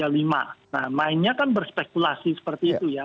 nah mainnya kan berspekulasi seperti itu ya